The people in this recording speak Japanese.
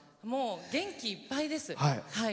もう元気いっぱいです。